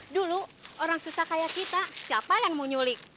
dulu orang susah kaya kita siapa yang mau nyulik